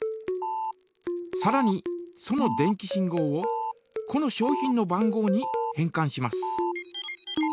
さらにその電気信号をこの商品の番号に変かんします。